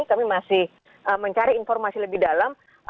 kami masih mencari informasi lebih dalam